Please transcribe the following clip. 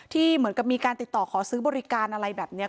ที่เหมือนกับมีการติดต่อขอซื้อบริการอะไรแบบนี้